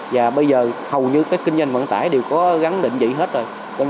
và bây giờ hầu như cái kinh doanh vận tải đều có gắn định dị hết rồi